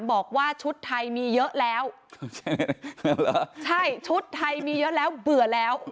บอกว่าชุดไทยมีเยอะแล้วใช่ชุดไทยมีเยอะแล้วเบื่อแล้ว